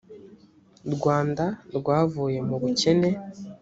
rwanda rwavuye mu bukene